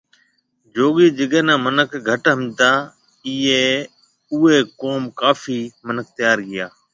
جوگي جڪي ني منک گھٽ ۿمجتا ايئي اوئي قوم ڪافي منک تيار ڪيئا